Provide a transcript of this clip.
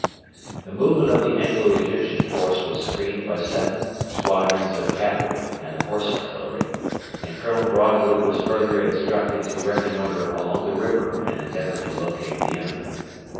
The movement of the Anglo Egyptian force was screened by seven squadrons of cavalry and the Horse Artillery, and Colonel Broadwood was further instructed to reconnoitre along the river and endeavour to locate the enemy.